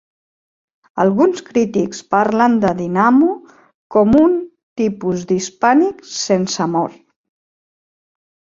Alguns crítics parlen de "Dynamo" com un tipus d'"hispànic sense amor".